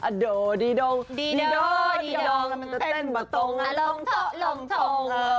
ดีโดดีโดดีโดดีโดต้องเต้นหัวตรงอลงโทะลงโทง